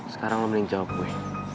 sekarang lo mending jawab gue